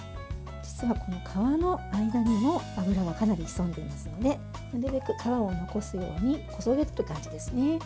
皮の間にも脂がかなり潜んでいますのでなるべく皮を残すようにこそぎとる感じですね。